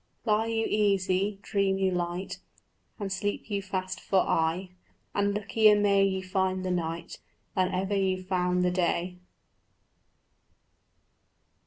Lie you easy, dream you light, And sleep you fast for aye; And luckier may you find the night Than ever you found the day.